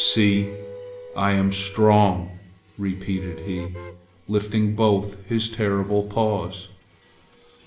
See! I am strong!" repeated he, lifting both his terrible paws.